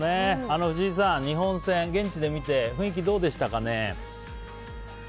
藤井さん、日本戦現地で見て雰囲気どうでしたかね。